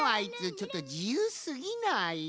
ちょっとじゆうすぎない？